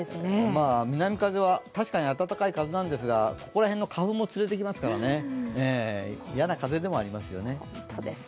南風は確かに暖かい風なんですがここら辺の花粉も連れてきますから嫌な風でもありますよね。